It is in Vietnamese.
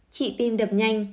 trị tim đập nhanh